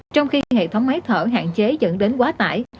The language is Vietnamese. trong khi hệ thống máy thở hạn chế dẫn đến quá tải